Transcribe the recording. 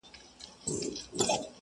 د کارګرانو مزد په وخت ورکړئ.